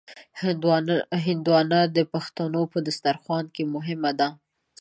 هندوانه د پښتنو په دسترخوان کې مهمه ده.